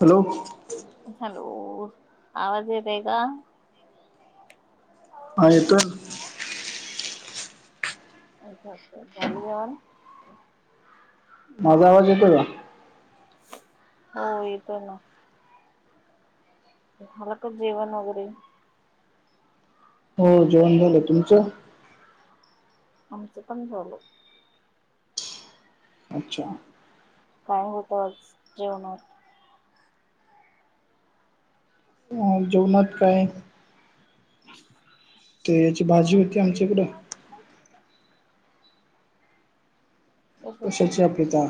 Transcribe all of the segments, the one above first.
Hello झालो आवाज येतय का. हा येतोय [unintelligible] झालं जेवणं माझा आवाज येतो का? हो येतो ना काय हाव का जेवण वगैरे हो जेवण झालं तुमचं आमच पणं झाल. अच्छा. काय होत आज जेवणात. नाय जेवनात काय [unintelligible] केळ्याची भाजी होती आमचीकडं कशा कशाची? चहा पिता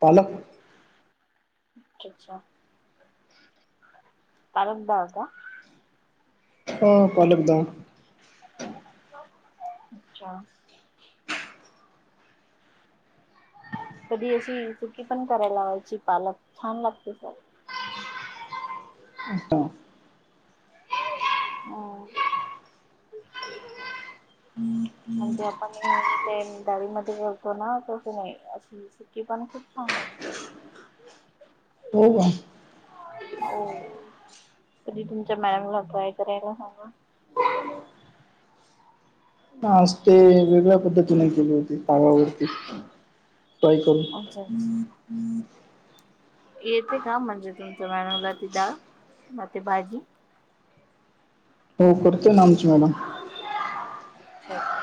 पालक अच्छा अच्छा पालक डाळ का? हो पालक डाळ अच्छा कधी अशी सुकी पण करायला लावायची पालक छान लागते सर आस्ता हो म्हणजे आपण नेहमी त्या डाळी मध्ये करतो ना तस नाही अशी सुकी पण खूप छान लागते. होय काय? हो कधी तुमच्या मॅमला ट्राय करायला सांगा. नाय आज ते वेगळ्या पद्धतीने केली होती तव्य वरती ट्राय करू अच्छा अच्छा. येते का म्हणजे तुमचं मॅडम ला ती डाळ म ते भाजी हो करतोय ना आमची मॅडम आजचच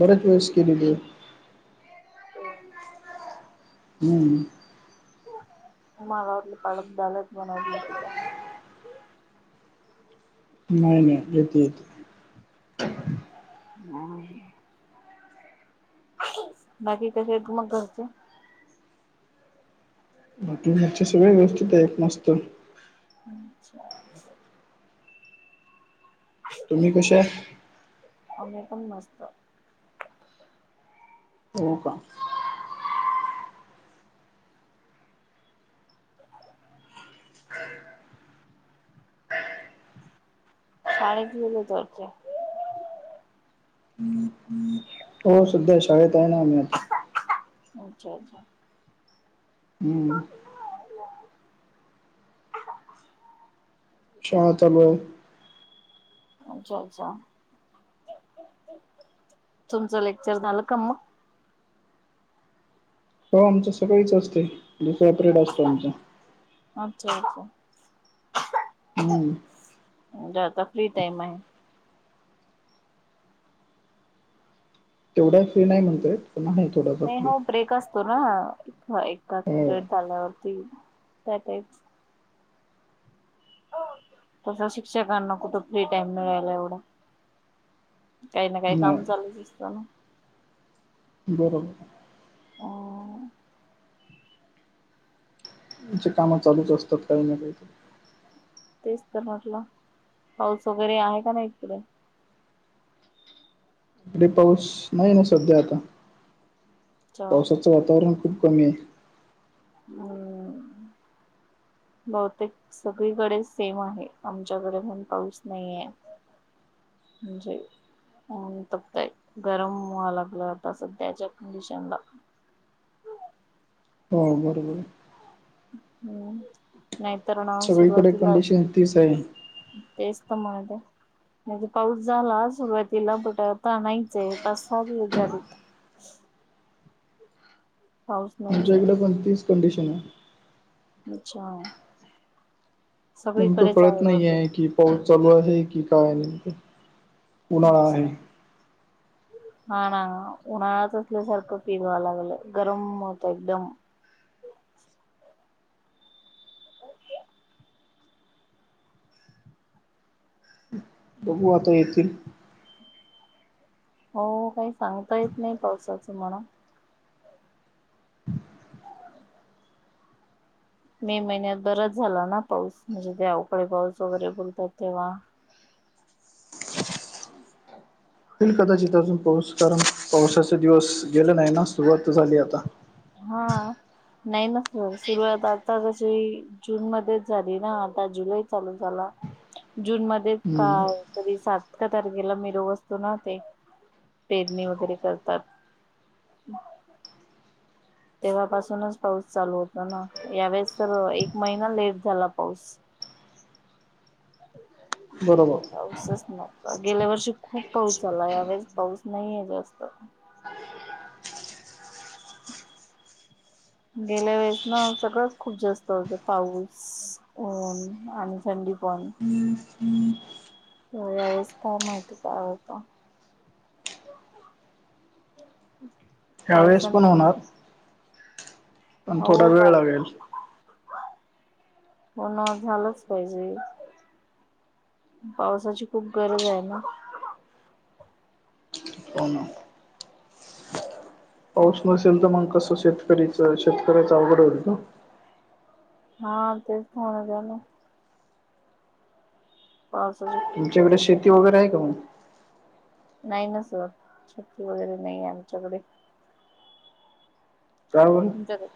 बऱ्याच वेळेस केलेली आहे. हो हम्म [inaudible] नाही नाही येत येत हम्म बाकी कसे आहेत त मग घरचे बकी ह्याच्या सगळे व्यवथित आहेत मस्त [unintelligible] तुम्ही कशा [inaudible] हो का [inaudible] हो सध्या शाळेत आहे ना आम्ही आता अच्छा अच्छा हम्म शाळा चालु आहे अच्छा अच्छा तुमचं लेक्चर झालं का मग हो आमच सकाळीच असते सपरेट असतो आमचा अच्छा अच्छा हम्म जा आता फ्री टाइम आहे तेवढा फ्री नाही म्हणतोय पण नाही नाही हो ब्रेक असतो ना एड हो झाल्यावरती त्या टप तसं शिक्षकांना कुठं फ्री टाइम मिळायला एवढा काही ना काही काम नाही चालूच असत ना [unintelligible] हम्म. चे काम चालूच असतात काही ना काही तेच तर म्हटलं पाऊस वगैरे आहे का नाही एककडे इकडे पाऊस नाही ना सध्या आता अच्छा पावसाचं वातावरण खूप कमी आहे [inaudible] सगळीकडे सेम आहे आमच्याकडे पण पाऊस नाहीे जी अपतय गरम व लागलं आता सध्याच्या कंडिशनला हो बरोबर हम्म नाही तर ना सगळीकडे सुरुवातीला कंडिशन तीच आहे [inaudible] म्हणजे पाऊस झाला सुरुवातीला बट आता आणयच आहे तस्साात यस झालीत [unintelligible] नाहीच आमच्या इकड आहे पण तीच कंडिशन आहे अच्छा. नेमकं सगळीकडेच कळत नाही बहुतेक आहे कि पाऊस चालू आहे की काय नेमकं उन्हाळा आहे अच्छा हा ना उन्हाळ्यात असल्यासारखं पिडवा लागलं गरम होत एकदम बघू आता येतील हो काही सांगता येत नाही पावसाचं म्हणा मे महिन्यात बरच झाला ना पाऊस म्हणजे त्यावकडे पाऊस वगैरे बोलतात तेव्हा हम्म होल कदाचित अजून पाऊस कारण पावसाचे दिवस गेले नाही ना सुरुवात झाली आता हा नाही ना स सुरुवात आता कशी जून मध्येच झाली ना आता जुलै चालू झाला जून मध्येच हम्म काय तरी सात तारखेला मिर असतो ना ते पेरणी वगैरे करतात. तेव्हापासूनच पाऊस चालू होतो ना यावेळेस तर एक महिना लेट झाला पाऊस बरोबर पाऊसच. गेल्या वर्षी खूप पाऊस झाला यावेळेस पाऊस नाहीे जास्त. [unintelligible] [inaudible] गेल्या वेळेस ना सगळंच खूप जास्त होतं पाऊस ऊन आणि थंडी पण तर यावेेळेस काय माहिती काय होत. यावेेळेस पावसान पण होणार. पण थोडा हो वेळ झालं लागेल पण झालंच पाहिजे. पावसाची खूप गरज आहे ना होना. पाऊस नसेल तर मग कसं शेतकरीच शेतकऱ्याच अवघड होईल ना. हा तेच होन झाल. पावसाच. तुमच्याकडे शेती वगैरे आहे का मग. नाही ना सर शेती वगैरे नाहीे आमच्याकडे. का जर.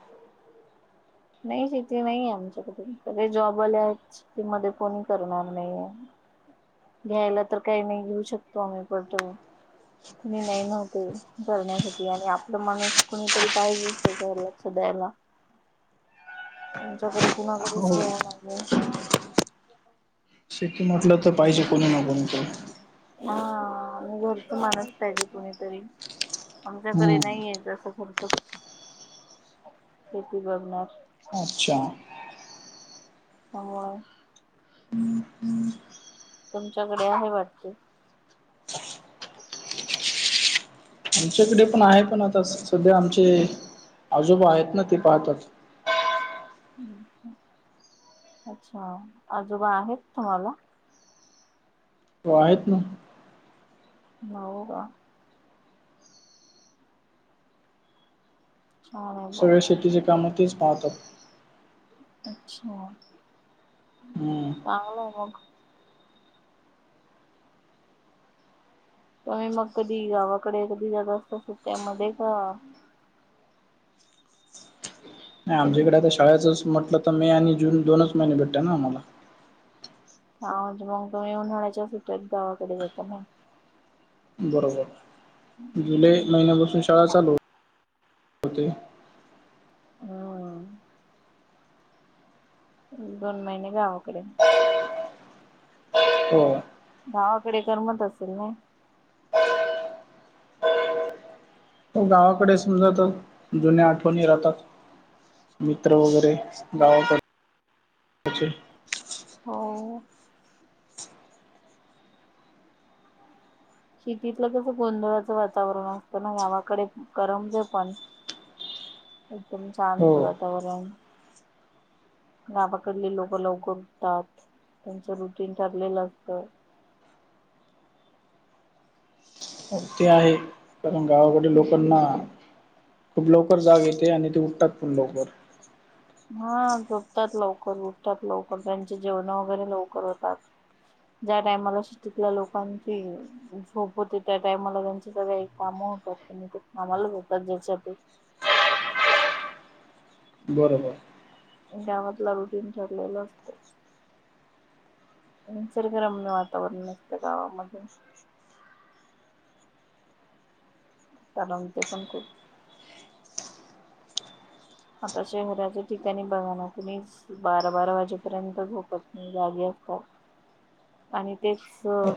नाही शेती नाहीे आमच्याकडेसगळे जॉब वाले आहेत. मध्ये कोणी करणार नाहीे. घ्यायला तर काही नाही घेऊ शकतो आम्ही पण. कुणी नाही नव्हते करण्यासाठी आणि आपला माणूस कुणीतरी पाहिजे त्याच्यावर लक्ष द्यायला. आुमच्याकरी कुणा घरीच हो वेळ नाही [unintelligible] शेती म्हटलं तर पाहिजे कोणी ना कोणीतर. हा घरच मानस पाहिजे कुणीतरी. आमच्याकडे हम्म नाहीय असं खर्च शेती बघणार अच्छा. हो. तुमच्याकडे आहे वाटते. आमच्याकडे पण आहे पण आता सध्या आमचे आजोबा आहेत ना ते पाहतात. अच्छा आजोबा आहेत तुम्हाला. हो आहेत ना. हो हो का. छान आहे बा सगळे शेतीचे काम तेच पाहतात. अच्छा हम्म चांगलं म. तम्ही मग कधी गावाकडे कधी जालं असत अस त्यामध्ये का नाही आमच्याकडे आता शाळेच म्हटलं तर मे आणि जून दोनच महिने भेटत ना आम्हाला हा मग तुम्ही उन्हाळााच्या सुट्टीत गावाकडे जाता ना बरोबर जुलै महिन्यापासून शाळा चालू होते. हम. दोन महिने गावाकडे. हो. गावाकडे करमत असेल ना. गावाकडे समजा जुन्या आठवणी राहतात मित्र वगैरे गाव कडचे. हो. शेतीतलं कच गोंधळाचं वातावरण असत ना गावाकडे करमते पण एकदम शांत हो. वातावरण गावाकडली लोकं लवकर उठतात त्यांचं रुटीन ठरलेलं असतं. ते आहे कारण गावाकडे लोकांना खूप लवकर जाग येते आणि ते उठतात पण लवकर. हा झोपतात लवकर झुटतात लवकर त्यांचे जेवण वगैरे लवकर होतात. ज्या टायमाला शेतीतल्या लोकांची झोप होते त्या टायमाला त्यांचे सगळळे काम होतात त्यांनी ते कामालाच होतात ज्याच्यात बरोबर. गावातला रुटीन ठचाललेलं असतं. निसर्गरम्य वातावरण असतं गावामध्ये त्यालाून ते पण खूप आता शहराच्या ठिकाणी बघाण कुणी बारा बारा वाजेपर्यंत झोपत नाही. जागे अस ख आणि तेच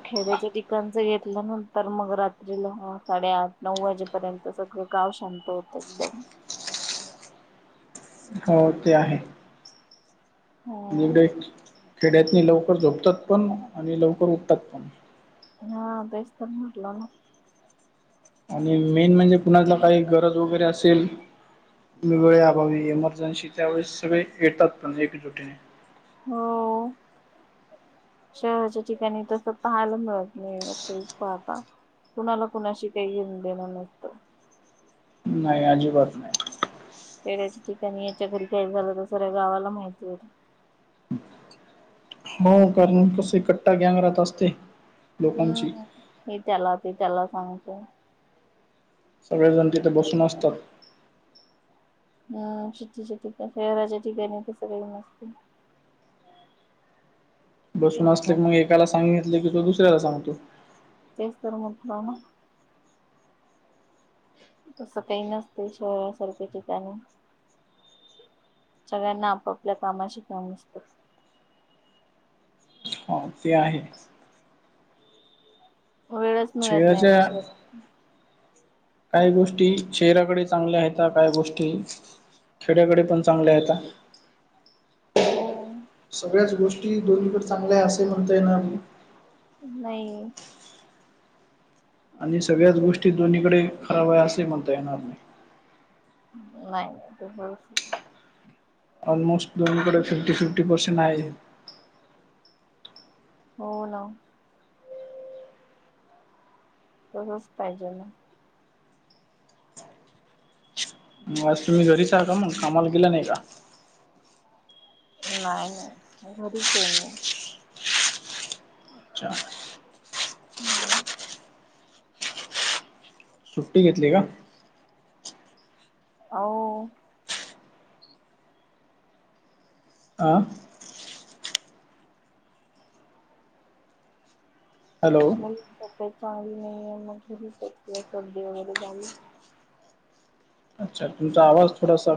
खेड्याच्या ठिकाणच घेतल्यानंतर मग रात्रीला साडेआठ नऊ वाजेपर्यंत सगळं गाव शांत होतं एकदम हो ते आहे. ह एवढे खेड्यातनी लवकर झोपतात पण आणि लवकर उठतात पण ह तेशतटला आणि मेन म्हणजे पुण्यातला काही गरज वगैरे असेल. वेगळे अभावी एमर्जन्सी त्यावेळेस सगळे येतात पण एकजुटीने हो. शहराच्या ठिकाणी तस पाहायला मिळत मस्त पाहापा. कुणाला कुणाशी काही येेऊन देणं नसतं. नाही अजिबात नाही. पेड्याच्या ठिकाणी याच्या घरी काय झालं तर सऱ्या गावाला माहिती होतं. हो कारण कस कट्टा गँंगरहात असते लोकांची ही त्याला ती त्याला सांगते. सगळे जण तिथे बसून असतात. हम् ेटी शहराच्या ठिकाणी ते सगळी मस्त. ह. बसून असले की मग एकाला सांग घितले की तो दुसऱ्याला सांगतो. तेसर मोठलामा. तसं काही नसत शहरासारख्या ठिकाणी सगळ्यांना आपापल्या कामाशीिकन असतो. ह ते आहे. वेळच. मिळत नाही ना ेजेजया. शहरात काय गोष्टी चेहरा्याकडे चांगल्या आहेत त्या काय गोष्टी खेड्याकडे पण चांगले आहेतता. हो. सगळ्याच गोष्टी दोन्हीकडे चांगल्या आहे असेही म्हणतय नामही नाही. आणि सगळ्याच गोष्टी दोन्हीकडे खराब आहे असेही म्हणता येणार नाही. नाही नाही त हो. ऑलमोस्ट दोनकडे फिफ्टी फिफ्टी पर्सेंट आहे. हो ना. तसंच पाहिजे ना. मग आज तुम्ही घरीचका मग कामाला गेला नाही का? नाही नाही घरीच आहे. अच्छा हम्म. सुफ्टी घेतली का हो आं हॅलो मुलख कते चांली नाहीे मुल ह कच सड्डी वगैरे झाली अच्छा तुमचा आवाज थडासा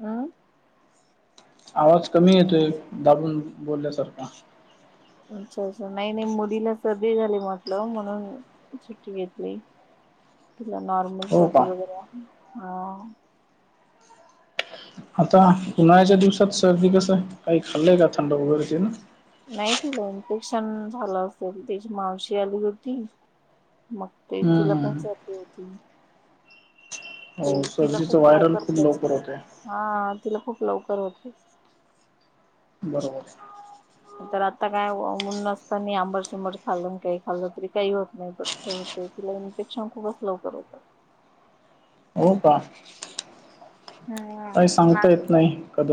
हम् आवाज कमी येतोय दाबून बोलल्यासारखा अच्छा अच्छा नाही नाही मुलीला सर्दी झाली म्हटलं म्हणून सुट्टी घेतली तिला नॉर्मल हो का सर्दी वगैरे अ आता उन्हाळ्याच्या दिवसात सर्दी कसं काही खाल्लंय का थंड वगैरे ते ना नाही तला इन्फेक्शन झालं असेल त्याची मावशी आली होती मग ते तिला हम्म हम्म पोहचाते होती हो तिला खूप सर्दीचं व्हायरल लवकर खूप पोहचत होते हा तिला खूप लवकर होते बरोबर तर आता काय नसत नाही आंबरसुंबर खाल् काही खाल्लं तरी काही होत नाही पण हो तिला इन्फेक्शन खूपच लवकर होतं हो का हा काही सांगता माझ येत नाही